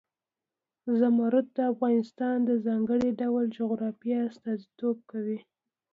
زمرد د افغانستان د ځانګړي ډول جغرافیه استازیتوب کوي.